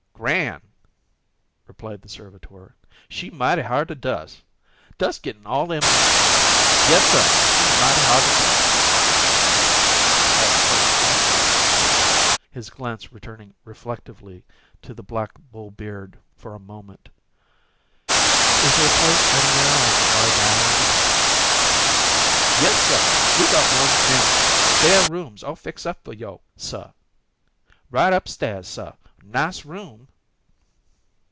"Gran'!" replied the servitor. "She mighty hard to dus'. Dus' git in all 'em wrinkles. Yessuh, she mighty hard to dus'." "I expect she must be," said Bibbs, his glance returning reflectively to the black bull beard for a moment. "Is there a place anywhere I could lie down?" "Yessuh. We got one nem spare rooms all fix up fo' you, suh. Right up staihs, suh. Nice room."